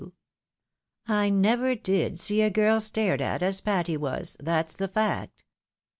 you. I never did see a girl stared at as Patty was — that's the fact.